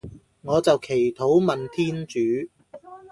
我就祈禱問天主